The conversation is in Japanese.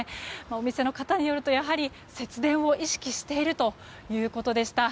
お店の方によると節電を意識しているということでした。